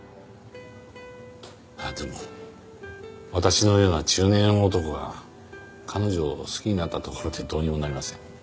ああでも私のような中年男が彼女を好きになったところでどうにもなりません。